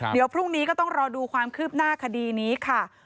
เดี๋ยวพรุ่งนี้ก็ต้องรอดูความคืบหน้าคดีนี้ค่ะ